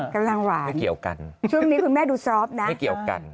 กำลังหวานไม่เกี่ยวกันช่วงนี้คุณแม่ดูซอฟนะไม่เกี่ยวกัน